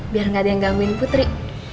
biar gak ada yang gangguin putri